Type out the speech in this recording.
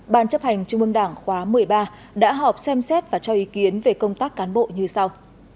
ban chấp hành trung mương đảng khóa một mươi ba đã họp xem xét và cho ý kiến về công tác cán bộ như sau